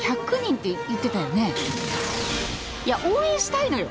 いや応援したいのよ。